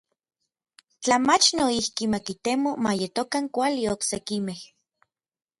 Tla mach noijki ma kitemo ma yetokan kuali oksekimej.